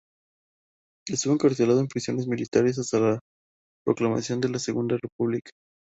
Estuvo encarcelado en prisiones militares hasta la proclamación de la Segunda República.